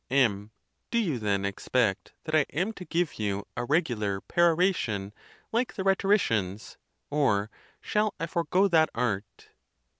M. Do you, then, expect that I am to give you a regu lar peroration, like the rhetoricians, or shall I forego that art?